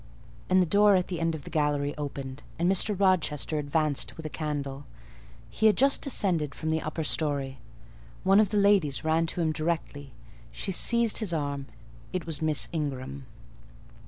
And the door at the end of the gallery opened, and Mr. Rochester advanced with a candle: he had just descended from the upper storey. One of the ladies ran to him directly; she seized his arm: it was Miss Ingram.